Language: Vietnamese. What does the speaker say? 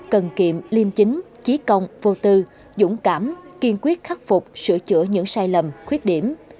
cần kiệm liêm chính trí công vô tư dũng cảm kiên quyết khắc phục sửa chữa những sai lầm khuyết điểm